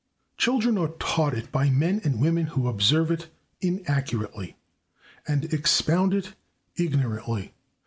Children are taught it by men and women who observe it inaccurately and expound it ignorantly.